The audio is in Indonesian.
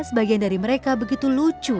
sebagian dari mereka begitu lucu